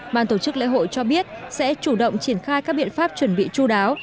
ban tổ chức lễ hội cho biết sẽ chủ động triển khai các biện pháp chuẩn bị chu đẩy